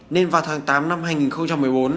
nên vào tháng tám năm hai nghìn một mươi bốn